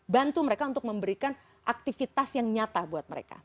bantu mereka untuk memberikan aktivitas yang nyata buat mereka